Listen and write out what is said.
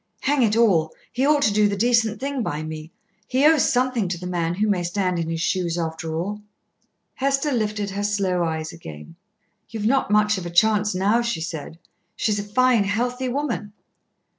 Hang it all! he ought to do the decent thing by me. He owes something to the man who may stand in his shoes, after all." Hester lifted her slow eyes again. "You've not much of a chance now," she said. "She's a fine healthy woman."